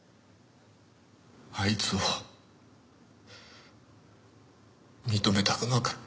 あいつを認めたくなかった。